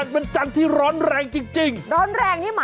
สวัสดีครับคุณชิสา